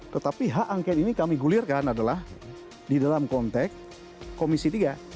tetapi hak angket ini kami gulirkan adalah di dalam konteks komisi tiga